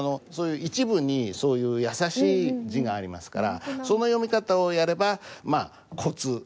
一部にそういう易しい字がありますからその読み方をやればまあコツ。